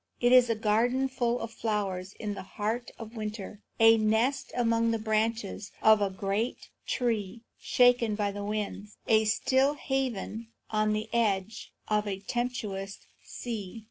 It is a garden full of flowers in the heart of winter; a nest among the branches of a great tree shaken by the winds; a still haven on the edge of a tempestuous sea.